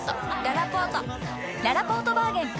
ららぽーとバーゲン開催！